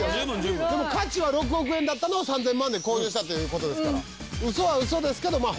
でも価値は６億円だったのを３０００万で購入したという事ですから嘘は嘘ですけどまあ